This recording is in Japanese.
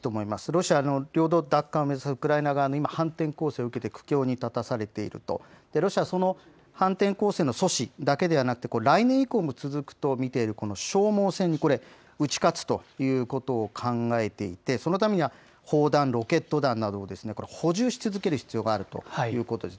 ロシアの領土奪還を目指すウクライナ側の反転攻勢を受けて苦境に立たされているとロシアはその反転攻勢の阻止だけではなく来年以降も続くと見ている消耗戦に打ち勝つということを考えていて、そのためには砲弾、ロケット弾など、補充し続ける必要があるということです。